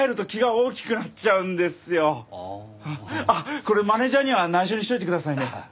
これマネジャーには内緒にしておいてくださいね。